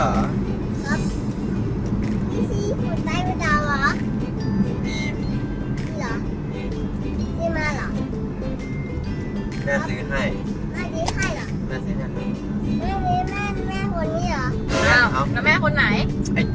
ครับ